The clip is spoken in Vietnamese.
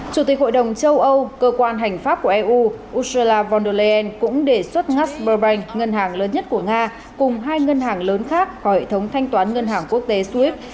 chủ tịch hội đồng châu âu cơ quan hành pháp của eu ursula von der leyen cũng đề xuất ngắtsbur banh ngân hàng lớn nhất của nga cùng hai ngân hàng lớn khác vào hệ thống thanh toán ngân hàng quốc tế street